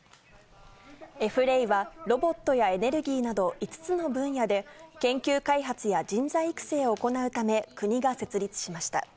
エフレイは、ロボットやエネルギーなど、５つの分野で、研究開発や人材育成を行うため、国が設立しました。